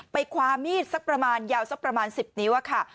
ความมีดสักประมาณยาวสักประมาณ๑๐นิ้วค่ะ